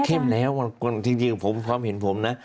แล้วจริงผมความเห็นผมนะ